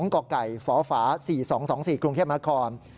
๒กฝ๔๒๒๔กรุงเทพมหาคอม